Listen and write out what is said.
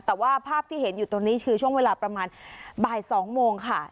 แต่ว่าภาพที่เห็นอยู่ตรงนี้คือช่วงเวลาประมาณบ่าย๒โมงค่ะ